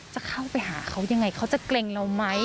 จะเข้าไปหาเขายังไงเขาจะเกรงเราไหม